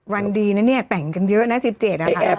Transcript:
วันดีนะเนี่ยแต่งกันเยอะนะ๑๗นะคะ